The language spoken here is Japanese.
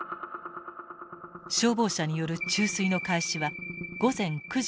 消防車による注水の開始は午前９時２５分。